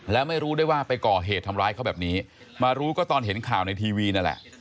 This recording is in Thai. แล้วไม่รู้ได้ว่าไปก่อเหตุทำร้ายเขาแบบนี้มารู้ก็ตอนเห็นข่าวในทีวีนั่นแหละ